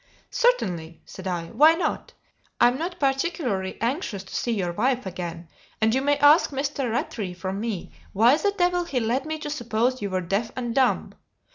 "Certainly," said I; "why not? I'm not particularly anxious to see your wife again, and you may ask Mr. Rattray from me why the devil he led me to suppose you were deaf and dumb?